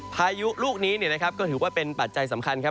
พายุลูกนี้เนี่ยนะครับก็ถือว่าเป็นปัจจัยสำคัญครับ